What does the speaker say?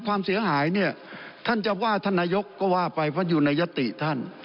ความเสียหายเนี่ยท่านจะว่าท่านนายกก็ว่าไปเพราะอยู่ในยติท่าน